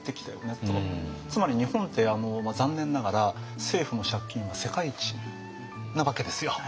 つまり日本って残念ながら政府の借金は世界一なわけですよ。